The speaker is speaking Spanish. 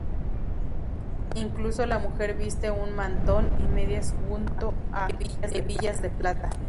Incluso la mujer viste un mantón y medias junto a hebillas de plata.